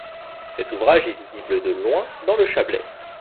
Cet ouvrage est visible de loin dans le Chablais.